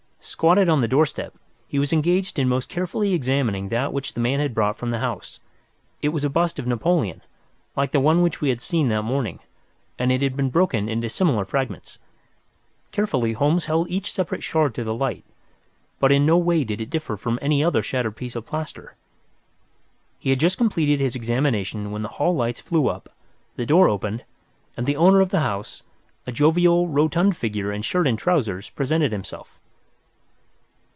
Squatted on the doorstep, he was engaged in most carefully examining that which the man had brought from the house. It was a bust of Napoleon, like the one which we had seen that morning, and it had been broken into similar fragments. Carefully Holmes held each separate shard to the light, but in no way did it differ from any other shattered piece of plaster. He had just completed his examination when the hall lights flew up, the door opened, and the owner of the house, a jovial, rotund figure in shirt and trousers, presented himself.